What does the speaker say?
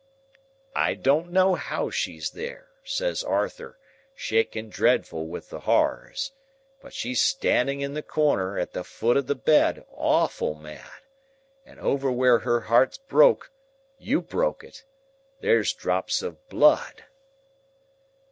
"'I don't know how she's there,' says Arthur, shivering dreadful with the horrors, 'but she's standing in the corner at the foot of the bed, awful mad. And over where her heart's broke—you broke it!—there's drops of blood.